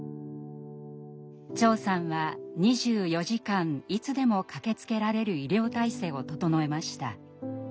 長さんは２４時間いつでも駆けつけられる医療体制を整えました。